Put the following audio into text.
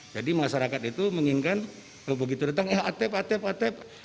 jadi masyarakat itu mengingatkan kalau begitu datang ya atep atep atep